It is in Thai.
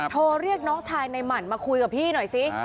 โทรเรียกน้องชายในหมั่นมาคุยกับพี่หน่อยสิ